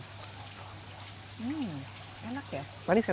hmm enak ya